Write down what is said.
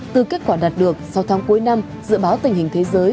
từ kết quả đạt được sau tháng cuối năm dự báo tình hình thế giới